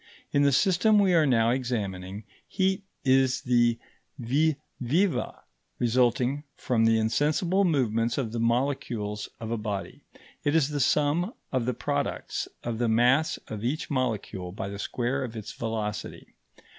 In the system we are now examining, heat is the vis viva resulting from the insensible movements of the molecules of a body; it is the sum of the products of the mass of each molecule by the square of its velocity....